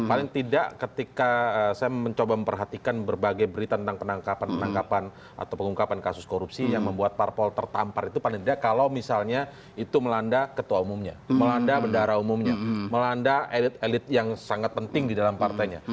paling tidak ketika saya mencoba memperhatikan berbagai berita tentang penangkapan penangkapan atau pengungkapan kasus korupsi yang membuat parpol tertampar itu paling tidak kalau misalnya itu melanda ketua umumnya melanda bendara umumnya melanda elit elit yang sangat penting di dalam partainya